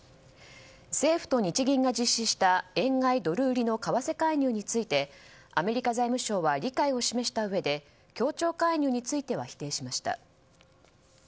政府と日銀が実施した円買いドル売りの為替介入についてアメリカ財務省は理解を示したうえで協調介入については否定しました。